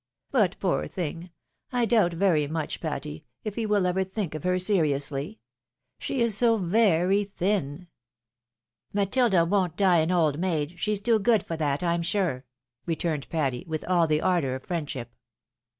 But, poor thing ! I doubt very much, Patty, if he wiH ever think of her seriously. She is so uer^ thiu!" A GUESS AT GOOD NEWS. 273 " Matilda won't die an old maid ; she's too good for that, Pm sure," returned Patty, with all the ardour of friendship.